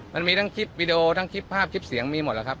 มันมีทั้งคลิปวิดีโอทั้งคลิปภาพคลิปเสียงมีหมดแล้วครับ